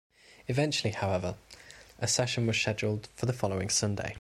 Eventually, however, a session was scheduled for the following Sunday.